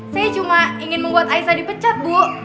saya cuma ingin membuat aisa dipecat bu